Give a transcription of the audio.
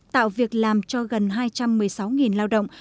tạo việc làm cho gần hai trăm một mươi sáu lao động